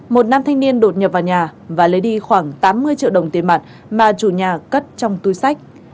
một nam thanh niên đột nhập vào nhà và lấy đi khoảng tám mươi triệu đồng tiền mặt mà chủ nhà cất trong túi sách